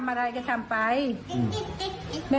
นักข่าวเราคุยกับป้าลินะครับป้าลิเนี่ยก็เล่าให้ฟังนะครับ